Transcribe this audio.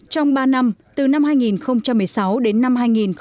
trong ba năm từ năm hai nghìn một mươi sáu đến năm hai nghìn một mươi tám